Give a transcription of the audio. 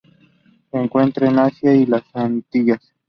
Se encuentra en Asia y las Antillas.